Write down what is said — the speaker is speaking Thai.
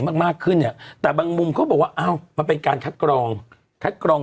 มากมากขึ้นเนี้ยแต่บางมุมเขาบอกว่าเอามันเป็นการคัดกรอง